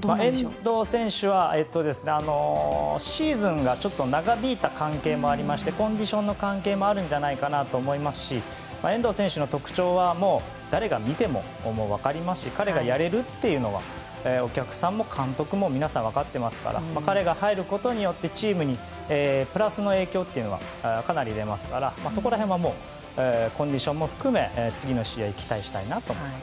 遠藤選手はシーズンが長引いた関係もありましてコンディションの関係もあるのではないかなと思いますし遠藤選手の特徴はもう誰が見ても分かりますし彼がやれるというのはお客さんも監督も皆さん分かってますから彼が入ることによってチームにプラスの影響というのはかなり出ますからそこら辺はもうコンディションも含め次の試合に期待したいなと思います。